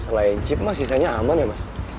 selain chip mas sisanya aman ya mas